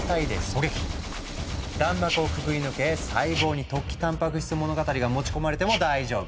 弾幕をくぐり抜け細胞に「突起たんぱく質物語」が持ち込まれても大丈夫。